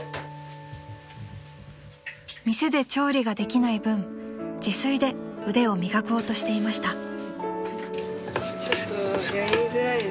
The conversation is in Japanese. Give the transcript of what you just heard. ［店で調理ができない分自炊で腕を磨こうとしていました］